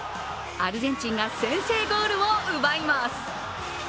アルゼンチンが先制ゴールを奪います。